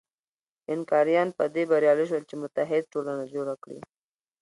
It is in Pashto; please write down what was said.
اینکاریان په دې بریالي شول چې متحد ټولنه جوړه کړي.